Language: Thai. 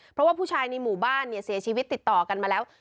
เพราะว่าผู้ชายในหมู่บ้านเนี่ยเสียชีวิตติดต่อกันมาแล้ว